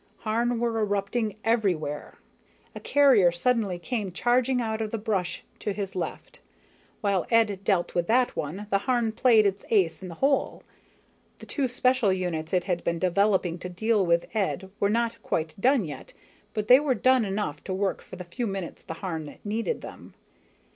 Harn were erupting everywhere. A carrier suddenly came charging out of the brush to his left. While Ed dealt with that one, the Harn played its ace in the hole. The two special units it had been developing to deal with Ed were not quite done yet, but they were done enough to work for the few minutes the Harn needed them.